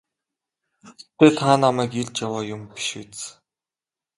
Гэхдээ та намайг эрж яваа юм биш биз?